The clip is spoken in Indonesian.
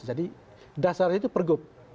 jadi dasarnya itu pergub